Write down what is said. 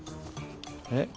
えっ？